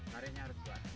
nariknya harus kuat